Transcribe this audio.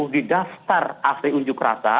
di daftar asli unjuk rasa